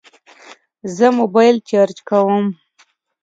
زه موبایل چارج کوم